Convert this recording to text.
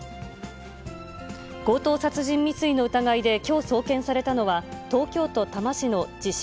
強盗殺人未遂の疑いできょう送検されたのは、東京都多摩市の自称